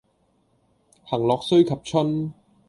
行樂須及春。